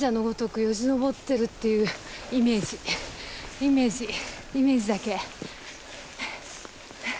イメージイメージだけ。